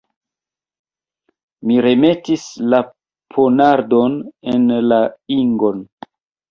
Mi remetis la ponardon en la ingon.